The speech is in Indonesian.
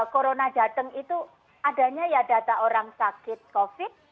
corona datang itu adanya ya data orang sakit covid